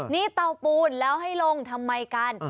นี่เตาปูนแล้วให้ลงทำไมกัน